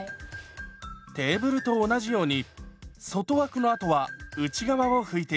テーブルと同じように外枠のあとは内側を拭いていきます。